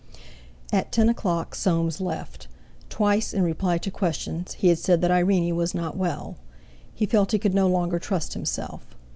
At ten o'clock Soames left; twice in reply to questions, he had said that Irene was not well; he felt he could no longer trust himself.